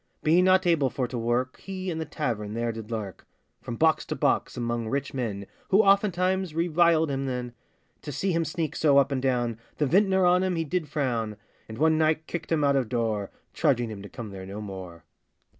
Being not able for to work, He in the tavern there did lurk; From box to box, among rich men, Who oftentimes reviled him then. To see him sneak so up and down, The vintner on him he did frown; And one night kicked him out of door, Charging him to come there no more.